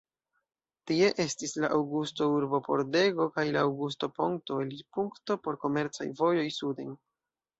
Tie estis la Aŭgusto-urbopordego kaj la Aŭgusto-ponto, elirpunkto por komercaj vojoj suden.